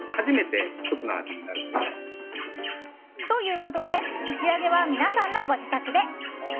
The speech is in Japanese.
ということで仕上げは皆さんのご自宅で。